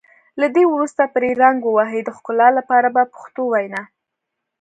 له دې وروسته پرې رنګ ووهئ د ښکلا لپاره په پښتو وینا.